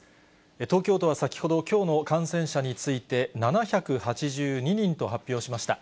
東京都は先ほど、きょうの感染者について、７８２人と発表しました。